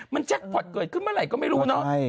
มันแจ๊กพอทเกิดขึ้นเมื่อไหร่ก็ไม่รู้